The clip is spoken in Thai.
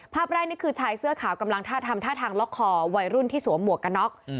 ภาพแรกนี่คือชายเสื้อขาวกำลังท่าทำท่าทางล็อกคอวัยรุ่นที่สวมหมวกกันน็อก